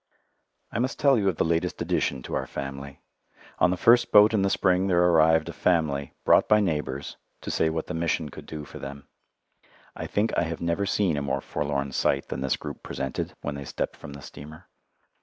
I must tell you of the latest addition to our family. On the first boat in the spring there arrived a family, brought by neighbours, to say what the Mission could do for them. I think I have never seen a more forlorn sight than this group presented when they stepped from the steamer.